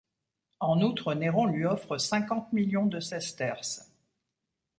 En outre, Néron lui offre cinquante millions de sesterces.